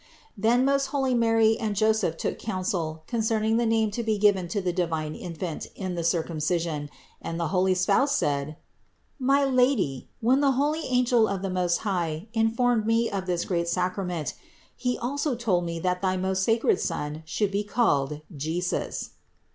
522. Then most holy Mary and Joseph took counsel concerning the name to be given to the divine Infant in THE INCARNATION 439 the Circumcision, and the holy spouse said : "My Lady, when the holy angel of the Most High informed me of this great sacrament, he also told me that thy most sacred Son should be called JESUS."